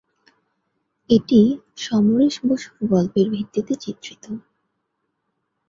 এটি সমরেশ বসুর গল্পের ভিত্তিতে চিত্রিত।